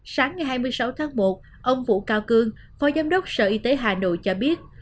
sáng ngày hai mươi sáu tháng một ông vũ cao cương phó giám đốc sở y tế hà nội cho biết